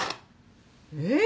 えっ？